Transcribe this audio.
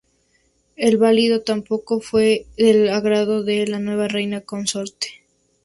El valido tampoco fue del agrado de la nueva reina consorte.